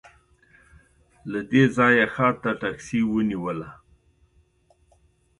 له دې ځايه ښار ته ټکسي ونیوله.